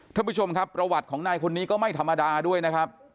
ท่านผู้ชมครับประวัติของนายคนนี้ก็ไม่ธรรมดาด้วยนะครับ